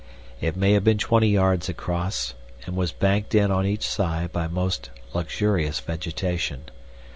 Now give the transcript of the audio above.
It may have been twenty yards across, and was banked in on each side by most luxuriant vegetation.